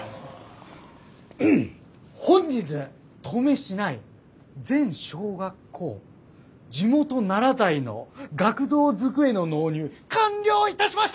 本日登米市内全小学校地元ナラ材の学童机の納入完了いたしました！